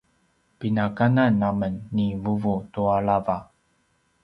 pinakanan amen ni vuvu tua lava